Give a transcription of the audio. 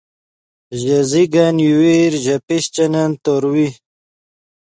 ژے زیگن یوویر ژے پیشچنن تورو